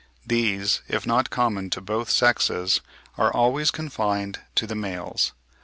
These, if not common to both sexes, are always confined to the males.